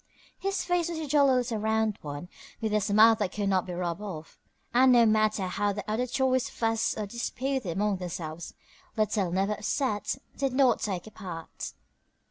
His face was a jolly little round one, with a smile that could not be rubbed off, and no matter how the other toys fussed or disputed among themselves, Little Never upset did not take a part.